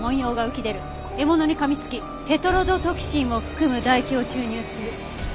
「獲物に噛みつきテトロドトキシンを含む唾液を注入する」